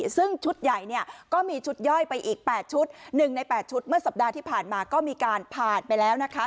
ซึ่งชุดใหญ่เนี่ยก็มีชุดย่อยไปอีก๘ชุด๑ใน๘ชุดเมื่อสัปดาห์ที่ผ่านมาก็มีการผ่านไปแล้วนะคะ